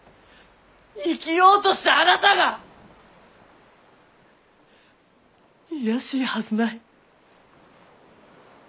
生きようとしたあなたが卑しいはずない。